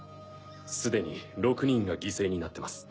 すでに６人が犠牲になってます。